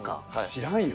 知らんよ。